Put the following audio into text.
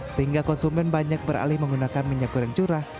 sehingga konsumen banyak beralih menggunakan minyak goreng curah